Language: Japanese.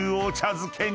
漬けに］